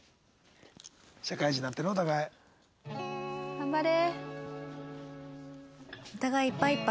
頑張れ！